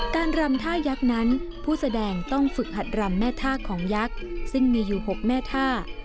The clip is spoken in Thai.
รำท่ายักษ์นั้นผู้แสดงต้องฝึกหัดรำแม่ท่าของยักษ์ซึ่งมีอยู่๖แม่ท่า